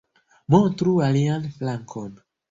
Montru alian flankon